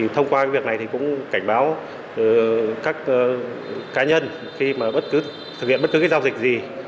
thông qua việc này thì cũng cảnh báo các cá nhân khi mà bất cứ thực hiện bất cứ giao dịch gì